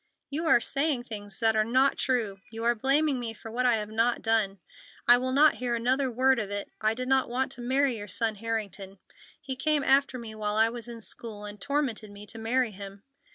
"You are saying things that are not true! You are blaming me for what I have not done. I will not hear another word of it. I did not want to marry your son Harrington. He came after me while I was in school and tormented me to marry him.